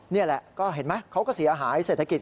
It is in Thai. นี่แหละก็เห็นไหมเขาก็เสียหายเศรษฐกิจ